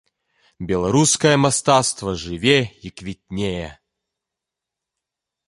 Беларускае мастацтва жыве і квітнее.